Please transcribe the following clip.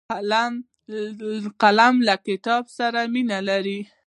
قلم له کتاب سره مینه لري